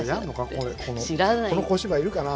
この小芝居いるかな？